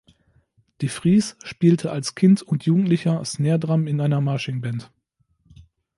De Vries spielte als Kind und Jugendlicher Snare Drum in einer Marching Band.